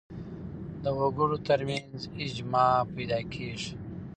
د وګړو تر منځ اجماع پیدا کېږي